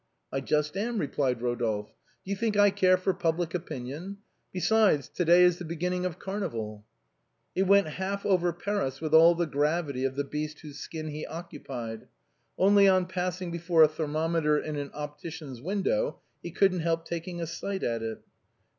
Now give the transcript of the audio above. " I just am," replied Eodolphe ;" do you think I care for public opinion? Besides, to day is the beginning of carnival." 110 THE BOHEMIANS OF THE LATIN QUARTER. He went half over Paris with all the gravity of the beast whose skin he occupied. Only on passing before a ther mometer in an optician's window he couldn't help taking a sight at it.